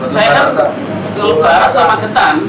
saya kan kalau barat ke magetan